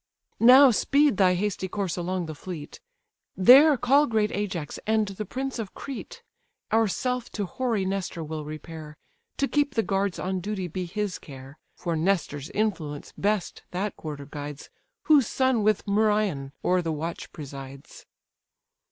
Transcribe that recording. "Now speed thy hasty course along the fleet, There call great Ajax, and the prince of Crete; Ourself to hoary Nestor will repair; To keep the guards on duty be his care, (For Nestor's influence best that quarter guides, Whose son with Merion, o'er the watch presides.")